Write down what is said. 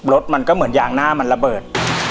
รถมันก็เหมือนยางหน้ามันระเบิด